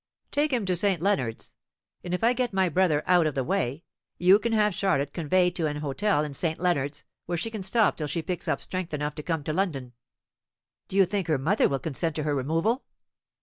"Take him to St. Leonards; and if I get my brother out of the way, you can have Charlotte conveyed to an hotel in St. Leonard's, where she can stop till she picks up strength enough to come to London." "Do you think her mother will consent to her removal?